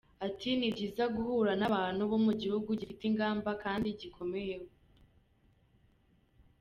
Ati “Ni byiza guhura n’abantu bo mu gihugu gifite ingamba kandi gikomeyeho.